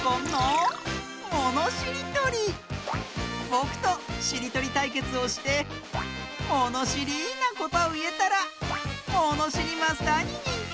ぼくとしりとりたいけつをしてものしりなことばをいえたらものしりマスターににんてい！